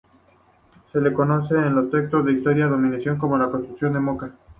Se le conoce en los textos de historia dominicana como la "Constitución de Moca".